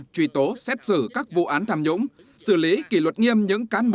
truy tố xét xử các vụ án tham nhũng xử lý kỷ luật nghiêm những cán bộ